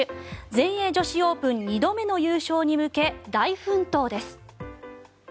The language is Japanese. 全英女子オープン２度目の優勝に向け大奮闘です。